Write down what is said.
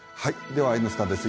では「Ｎスタ」です。